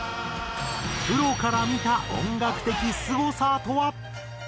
プロから見た音楽的すごさとは？